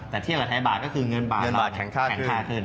แต่เที่ยวกับไทยบาทก็คือเงินบาทแข็งค่าขึ้น